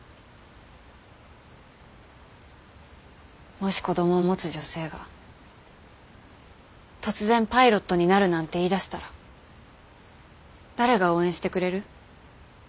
もし子供を持つ女性が突然パイロットになるなんて言いだしたら誰が応援してくれる？